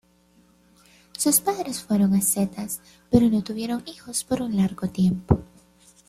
Sus padres fueron ascetas, pero no tuvieron hijos por un largo tiempo.